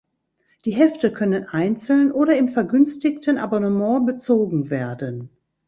Die Hefte können einzeln oder im vergünstigten Abonnement bezogen werden.